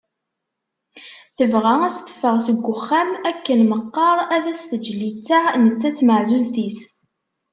Tebɣa ad as-teffeɣ seg uxxam akken meqqar ad as-teǧǧ listeɛ netta d tmeɛzuzt-is.